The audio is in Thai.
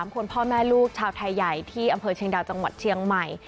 คนพ่อแม่ลูกชาวไทยใหญ่ที่อำเภอเชียงดาวจังหวัดเชียงใหม่